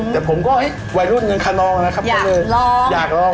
แต่ผมก็วัยรุ่นเงินคนนองนะครับก็เลยอยากลอง